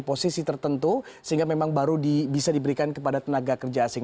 posisi tertentu sehingga memang baru bisa diberikan kepada tenaga kerja asing